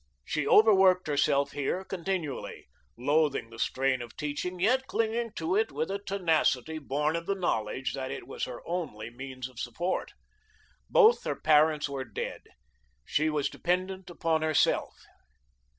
She overworked herself here continually, loathing the strain of teaching, yet clinging to it with a tenacity born of the knowledge that it was her only means of support. Both her parents were dead; she was dependent upon herself.